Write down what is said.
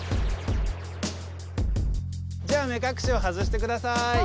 じゃあ目かくしを外してください。